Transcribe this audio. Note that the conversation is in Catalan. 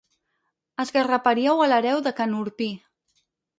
Esgarraparíeu a l'hereu de can Urpí.